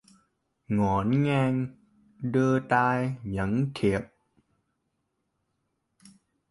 Ngổn ngang đưa tay nhận thiệp